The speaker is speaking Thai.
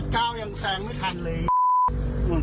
๑๙ยังแสงไม่ทันเลย